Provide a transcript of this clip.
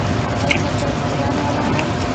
ایا زه باید قرآن ولولم؟